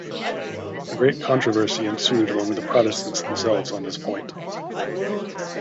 A great controversy ensued among the Protestants themselves on this point.